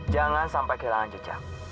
jangan sampai kehilangan jejak